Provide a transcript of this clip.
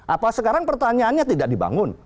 apa sekarang pertanyaannya tidak dibangun